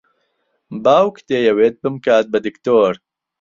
باوک دەیەوێت بمکات بە دکتۆر.